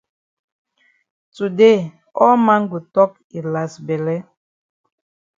Today all man go tok yi las bele